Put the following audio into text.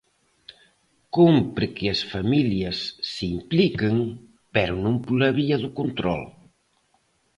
Cómpre que as familias se impliquen, pero non pola vía do control.